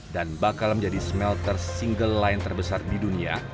dan bakal menjadi smelter single line terbesar di dunia